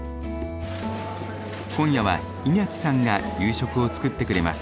今夜はイニャキさんが夕食を作ってくれます。